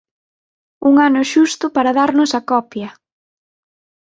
¡Un ano xusto para darnos a copia!